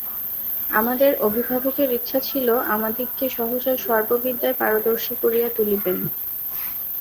আমাদের অভিভাবকের ইচ্ছা ছিল আমাদিগকে সহসা সর্ববিদ্যায় পারদর্শী করিয়া তুলিবেন।